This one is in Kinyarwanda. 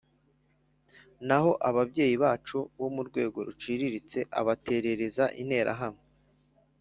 naho ababyeyi bacu bo mu rwego ruciriritse abaterereza interahamwe.